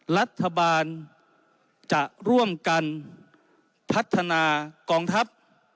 รัฐบาลจะร่วมกันพัฒนากองทัพ